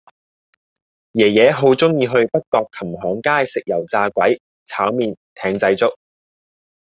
爺爺好鍾意去北角琴行街食油炸鬼炒麵艇仔粥